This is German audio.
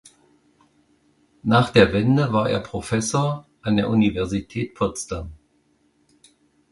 Nach der Wende war er Professor an der Universität Potsdam.